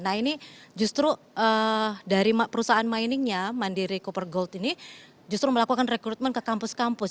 nah ini justru dari perusahaan miningnya mandiri cooper gold ini justru melakukan rekrutmen ke kampus kampus